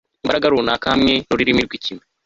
imbaraga runaka hamwe nurumuri rwikime